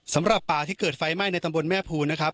สำหรับป่าที่เกิดไฟไหม้ในตำบลแม่ภูนะครับ